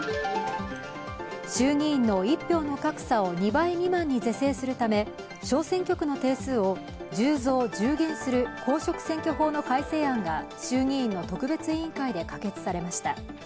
衆議院の一票の格差を２倍未満に是正するため小選挙区の定数を１０増１０減する公職選挙法の改正案が衆議院の特別委員会で可決されました。